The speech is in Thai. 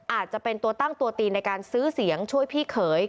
อาจจะเป็นตัวตั้งตัวตีนในการซื้อเสียงช่วยพี่เขย